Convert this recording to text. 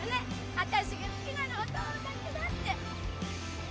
あたしが好きなのはトオルだけだって！